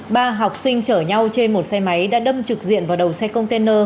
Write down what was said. ba học sinh chở nhau trên một xe máy đã đâm trực diện vào đầu xe container